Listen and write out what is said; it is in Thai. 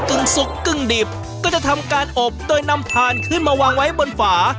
ึ่งสุกกึ่งดิบก็จะทำการอบโดยนำถ่านขึ้นมาวางไว้บนฝา